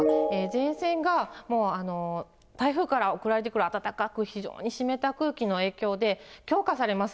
前線が台風から送られてくるあたたかく非常に湿った空気の影響で、強化されます。